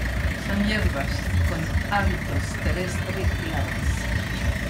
Son hierbas, con hábitos terrestre, glabras.